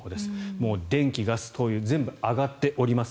もう電気、ガス、灯油全部上がっております。